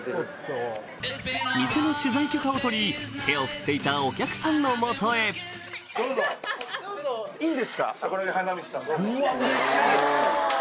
店の取材許可を取り手を振っていたお客さんの元へうわうれしい！